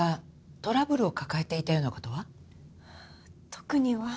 特には。